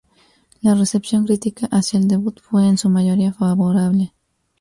La recepción crítica hacia el debut fue en su mayoría favorable.